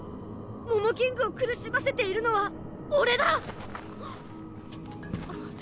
モモキングを苦しませているのは俺だ！